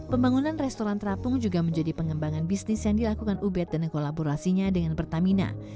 pembangunan restoran terapung juga menjadi pengembangan bisnis yang dilakukan ubed dan kolaborasinya dengan pertamina